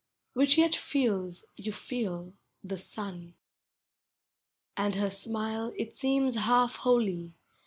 Which yet feels, you feel, the sun. And her smile, it seems half holy.